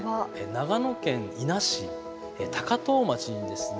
長野県伊那市高遠町にですね